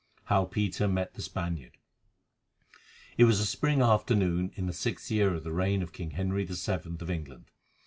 HOW PETER MET THE SPANIARD. It was a spring afternoon in the sixth year of the reign of King Henry VII. of England.